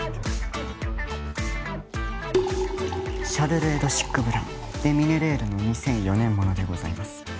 シャルル・エドシックブラン・デ・ミネレールの２００４年ものでございます